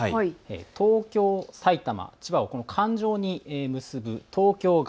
東京、埼玉、千葉を環状に結ぶ東京外